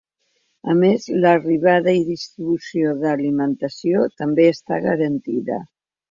A més, l’arribada i distribució d’alimentació també està garantida.